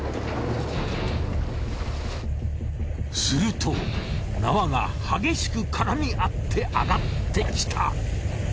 すると縄が激しく絡み合ってあがってきた。